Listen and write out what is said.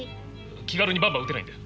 気軽にバンバン撃てないんだよ。